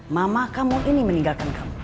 mama kamu ini meninggalkan kamu